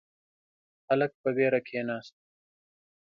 هلک په وېره کښیناست.